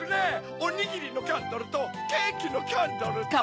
おにぎりのキャンドルとケーキのキャンドルと。